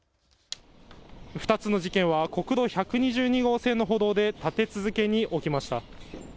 ２つの事件は国道１２２号線の歩道で立て続けに起きました。